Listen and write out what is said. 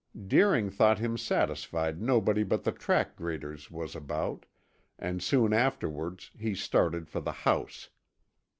Deering thought him satisfied nobody but the track graders was about, and soon afterwards he started for the house.